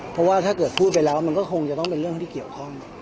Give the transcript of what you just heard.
เพราะว่าถ้าเกิดพูดไปแล้วมันก็คงจะต้องเป็นเรื่องที่เกี่ยวข้อง